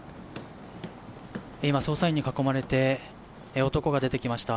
今、捜査員に囲まれて男が出てきました。